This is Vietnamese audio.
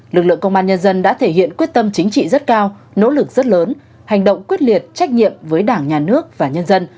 lực lượng công an nhân dân đã thể hiện quyết tâm chính trị rất cao nỗ lực rất lớn hành động quyết liệt trách nhiệm với đảng nhà nước và nhân dân